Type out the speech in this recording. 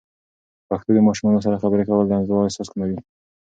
په پښتو د ماشومانو سره خبرې کول، د انزوا احساس کموي.